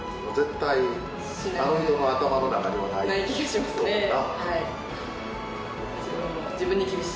ない気がしますね。